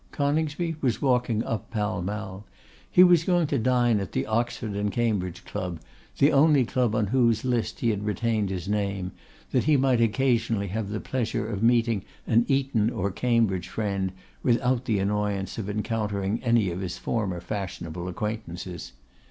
Coningsby was walking up Pall Mall. He was going to dine at the Oxford and Cambridge Club, the only club on whose list he had retained his name, that he might occasionally have the pleasure of meeting an Eton or Cambridge friend without the annoyance of encountering any of his former fashionable acquaintances.